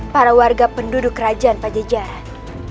para warga penduduk kerajaan pajajaran